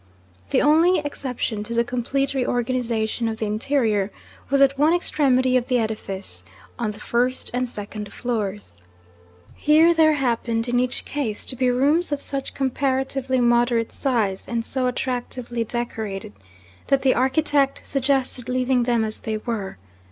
The only exception to the complete re organization of the interior was at one extremity of the edifice, on the first and second floors. Here there happened, in each case, to be rooms of such comparatively moderate size, and so attractively decorated, that the architect suggested leaving them as they were.